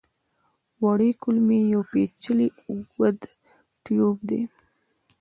وړې کولمې یو پېچلی اوږد ټیوب دی.